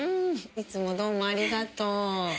いつもどうもありがとう。